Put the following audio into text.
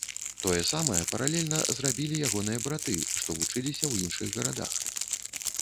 Тое самае, паралельна, зрабілі ягоныя браты, што вучыліся ў іншых гарадах.